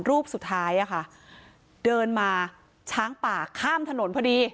รูปสุดท้ายอะค่ะเดินมาช้างป่าข้ามถนนพอดี